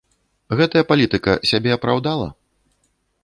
Гэтая палітыка сябе апраўдала?